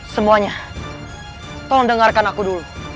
semuanya tolong dengarkan aku dulu